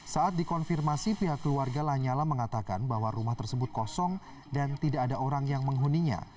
saat dikonfirmasi pihak keluarga lanyala mengatakan bahwa rumah tersebut kosong dan tidak ada orang yang menghuninya